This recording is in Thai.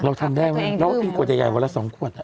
ทำได้ไหมเราก็กินขวดใหญ่วันละ๒ขวด